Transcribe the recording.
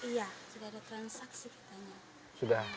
iya sudah ada transaksi katanya